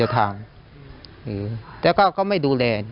หมดสร้างแบบนี้ไม่ไหว